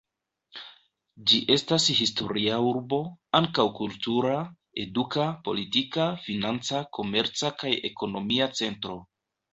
Ĝi estas historia urbo, ankaŭ kultura, eduka, politika, financa, komerca kaj ekonomia centro.